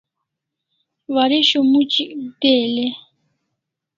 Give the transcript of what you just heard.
Waresho muchik del e?